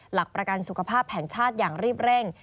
หลักประกันสุขภาพแห่งชาติอย่างรีบเร่ง